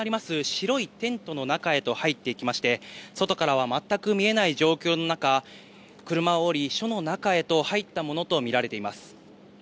白いテントの中へと入っていきまして、外からは全く見えない状況の中、車を降り、署の中へと入ったものと見られています。